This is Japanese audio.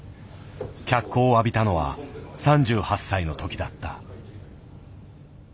脚光を浴びたのは３８歳の時だった。